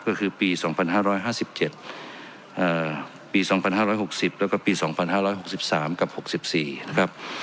ก็คือปี๒๕๕๗ปี๒๕๖๐แล้วก็ปี๒๕๖๓กับ๖๔นะครับ